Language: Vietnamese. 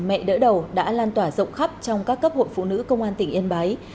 mẹ đỡ đầu đã lan tỏa rộng khắp trong các cấp hội phụ nữ công an tỉnh yên bái